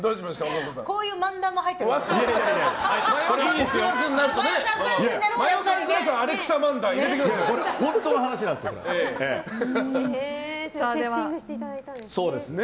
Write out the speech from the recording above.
こういう漫談も入ってるんですね。